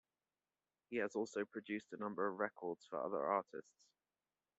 He has also produced a number of records for other artists.